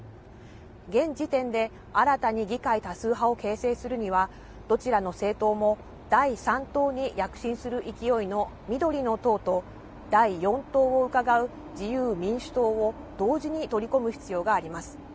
現時点で新たに議会多数派を形成するには、どちらの政党も第３党に躍進する勢いの緑の党と、第４党をうかがう自由民主党を同時に取り込む必要があります。